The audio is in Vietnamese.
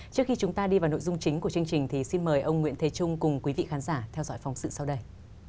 trước khi chúng ta đi vào nội dung chính của chương trình thì xin mời ông nguyễn thế trung cùng quý vị khán giả theo dõi phóng sự sau đây